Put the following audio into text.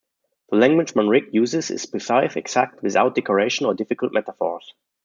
The language Manrique uses is precise, exact, without decoration or difficult metaphors.